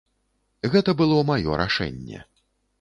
Гэта было маё рашэнне.